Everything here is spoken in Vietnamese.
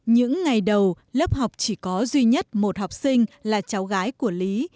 những ngày đầu lớp học chỉ có duy nhất một học sinh là cháu gái của lý